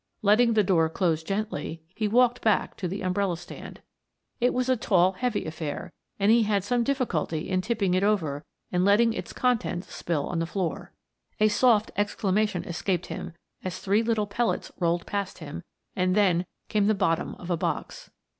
Letting the door close gently he walked back to the umbrella stand. It was a tall heavy affair, and he had some difficulty in tipping it over and letting its contents spill on the floor. A soft exclamation escaped him as three little pellets rolled past him, and then came the bottom of a box.